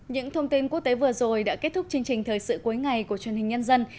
những thông tin quốc tế vừa rồi đã kết thúc chương trình thời sự cuối ngày của truyền hình nhân dân